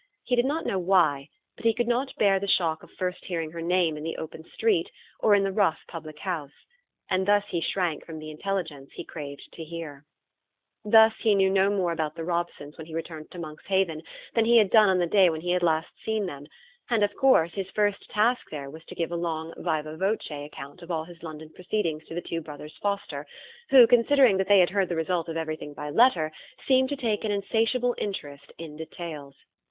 He did not know why, but he could not bear the shock of first hearing her name in the open street, or in the rough public house. And thus he shrank from the intelligence he craved to hear. Thus he knew no more about the Robsons when he returned to Monkshaven, than he had done on the day when he had last seen them; and, of course, his first task there was to give a long viva voce account of all his London proceedings to the two brothers Foster, who, considering that they had heard the result of everything by letter, seemed to take an insatiable interest in details.